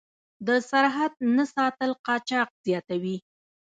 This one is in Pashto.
د سرحد نه ساتل قاچاق زیاتوي.